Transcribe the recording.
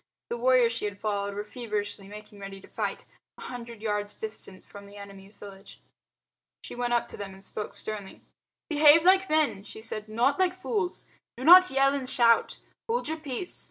The warriors she had followed were feverishly making ready to fight, a hundred yards distant from the enemy's village. She went up to them and spoke sternly. "Behave like men," she said, "not like fools. Do not yell and shout. Hold your peace.